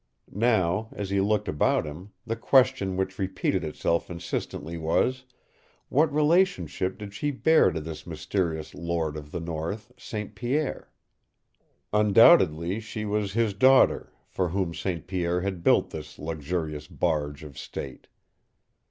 Now, as he looked about him, the question which repeated itself insistently was, what relationship did she bear to this mysterious lord of the north, St. Pierre? Undoubtedly she was his daughter, for whom St. Pierre had built this luxurious barge of state.